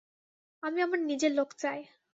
আমি আমার নিজের লোক চাই।